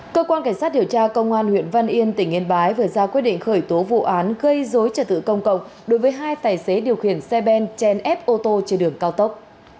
cơ quan cảnh sát điều tra công an huyện văn yên tỉnh yên bái vừa ra quyết định khởi tố vụ án gây dối trật tự công cộng đối với hai tài xế điều khiển xe ben trên ép ô tô trên đường cao tốc